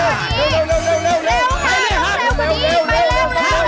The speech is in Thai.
ตั้งใจ